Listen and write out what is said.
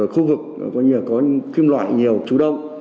khu vực có kim loại nhiều chú đông